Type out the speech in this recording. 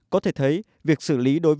có thể thấy việc xử lý đối với xã đồng thái